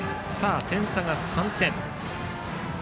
点差は３点。